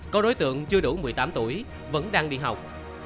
có đối tượng chưa đủ một mươi tám tuổi vẫn đang đi học